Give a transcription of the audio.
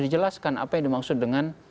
dijelaskan apa yang dimaksud dengan